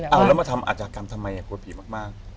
เอาแล้วมาทำอาจกรรมทำไมกลัวผีมาก